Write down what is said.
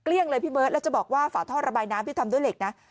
เลยพี่เบิร์ตแล้วจะบอกว่าฝาท่อระบายน้ำที่ทำด้วยเหล็กนะ